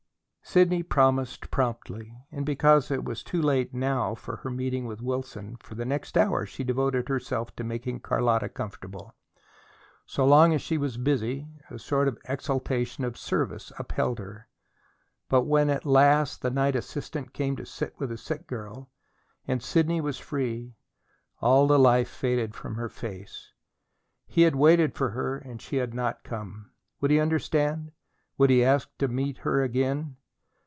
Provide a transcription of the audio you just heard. Sidney promised promptly; and, because it was too late now for her meeting with Wilson, for the next hour she devoted herself to making Carlotta comfortable. So long as she was busy, a sort of exaltation of service upheld her. But when at last the night assistant came to sit with the sick girl, and Sidney was free, all the life faded from her face. He had waited for her and she had not come. Would he understand? Would he ask her to meet him again?